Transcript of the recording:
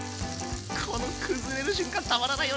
この崩れる瞬間たまらないよね！